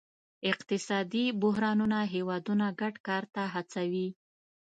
اقتصادي بحرانونه هیوادونه ګډ کار ته هڅوي